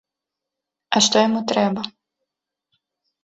А што яму трэба?